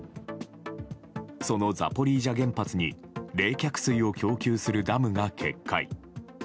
そのザポリージャ原発に冷却水を供給するダムが決壊。